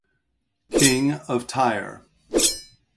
King of Tyre